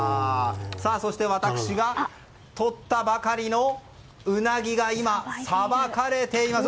そして、私がとったばかりのウナギが今さばかれています！